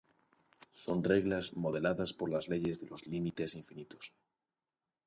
Son reglas modeladas por las leyes de los límites infinitos.